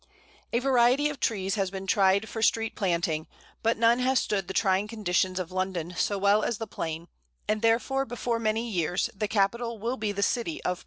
A variety of trees has been tried for street planting, but none has stood the trying conditions of London so well as the Plane, and therefore before many years the capital will be the city of Planes.